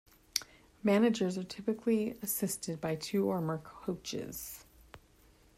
Managers are typically assisted by two or more coaches.